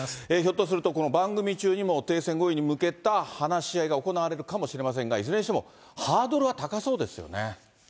ひょっとするとこの番組中にも停戦合意に向けた話し合いが行われるかもしれませんが、いずれにしてもハードルは高そうですよね。